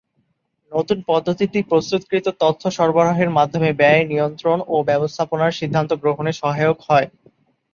নতুন পদ্ধতিটি প্রস্ত্ততকৃত তথ্য সরবরাহের মাধ্যমে ব্যয়-নিয়ন্ত্রণ ও ব্যবস্থাপনার সিদ্ধান্ত গ্রহণে সহায়ক হয়।